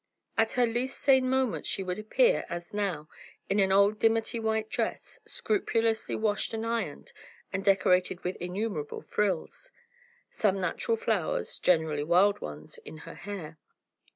In her least sane moments she would appear, as now, in an old dimity white dress, scrupulously washed and ironed, and decorated with innumerable frills; some natural flowers, generally wild ones, in her hair.